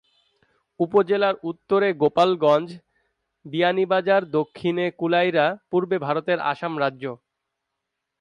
উপজেলার উত্তরে গোলাপগঞ্জ, বিয়ানীবাজার; দক্ষিণে কুলাউড়া; পূর্বে ভারতের আসাম রাজ্য।